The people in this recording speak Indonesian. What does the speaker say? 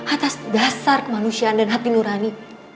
atas dasar kemanusiaan dan hati nurani